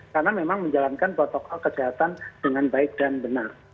karena memang menjalankan protokol kesehatan dengan baik dan benar